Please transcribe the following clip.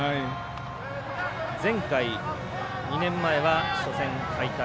前回２年前は初戦敗退。